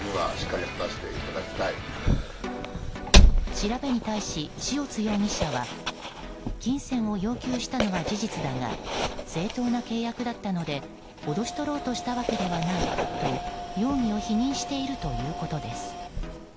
調べに対し、塩津容疑者は金銭を要求したのは事実だが正当な契約だったので脅し取ろうとしたわけではないと容疑を否認しているということです。